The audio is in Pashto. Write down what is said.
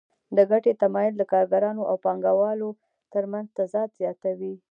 د ګټې تمایل د کارګرانو او پانګوالو ترمنځ تضاد زیاتوي